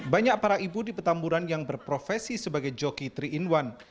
banyak para ibu di petamburan yang berprofesi sebagai joki tiga in satu